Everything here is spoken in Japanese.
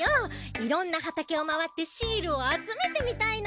いろんな畑を回ってシールを集めてみたいの。